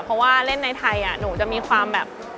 เพราะว่าเล่นในไทยหนูจะมีความแบบ